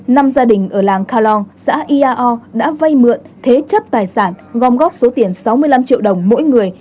năm gia đình ở làng khalong xã iao đã vay mượn thế chấp tài sản gom góp số tiền sáu mươi năm triệu đồng mỗi người